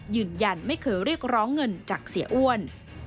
ยืนยันไม่เคยเรียกร้องเงินจากเสียอ้วน